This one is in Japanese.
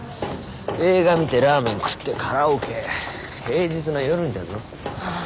映画見てラーメン食ってカラオケ平日の夜にだぞあー